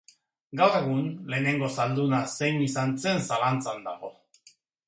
Gaur egun, lehenengo zalduna zein izan zen zalantzan dago.